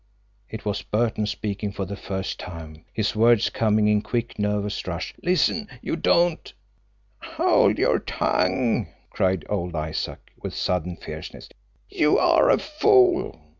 It was Burton, speaking for the first time, his words coming in a quick, nervous rush. "Listen! You don't " "Hold your tongue!" cried old Isaac, with sudden fierceness. "You are a fool!"